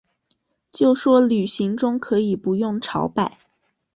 就说旅行中可以不用朝拜